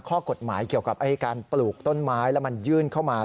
ข้อกฎหมายเกี่ยวกับการปลูกต้นไม้แล้วมันยื่นเข้ามา